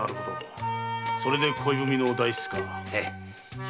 それで恋文の代筆か。